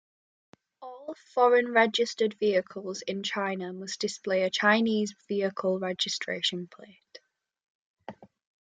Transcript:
All foreign-registered vehicles in China must display a Chinese vehicle registration plate.